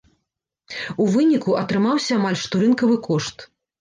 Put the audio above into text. У выніку, атрымаўся амаль што рынкавы кошт.